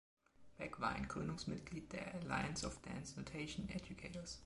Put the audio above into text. Beck war ein Gründungsmitglied der Alliance of Dance Notation Educators.